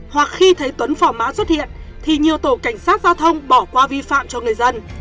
hoặc khi thấy tuấn phỏ mã xuất hiện thì nhiều tổ cảnh sát giao thông bỏ qua vi phạm cho người dân